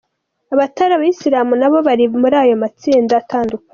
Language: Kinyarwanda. Abatari Abayisilamu nabo bari muri ayo matsinda atandukanye.